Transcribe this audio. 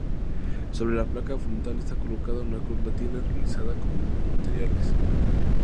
Sobre la placa frontal está colocada una cruz latina realizada con los mismos materiales.